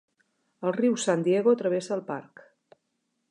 El riu San Diego travessa el parc.